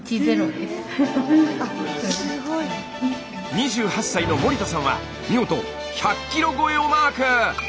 ２８歳の森田さんは見事１００キロ超えをマーク！